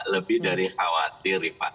lebih dari khawatir